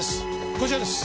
こちらです。